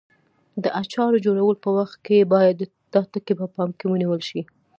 د اچارو جوړولو په وخت کې باید دا ټکي په پام کې ونیول شي.